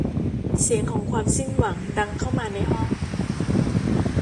เสียงของความสิ้นหวังดังเข้ามาในห้อง